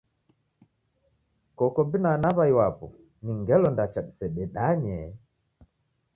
Koko binana aw'ai wapo ni ngelo ndacha disededanye?